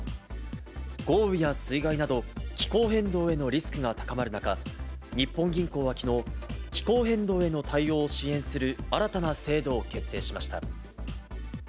豪雨や水害など、気候変動へのリスクが高まる中、日本銀行はきのう、気候変動への対応を支援する新たな制度を決定しました。